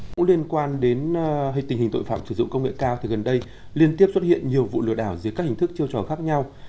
cũng liên quan đến tình hình tội phạm sử dụng công nghệ cao thì gần đây liên tiếp xuất hiện nhiều vụ lừa đảo dưới các hình thức chiêu trò khác nhau